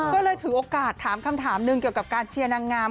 ก็เลยถือโอกาสถามคำถามหนึ่งเกี่ยวกับการเชียร์นางงาม